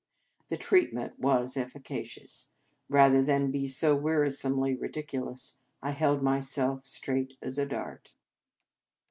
The treatment was efficacious. Rather than be so wearisomely ridiculous, I held myself straight as a, dart.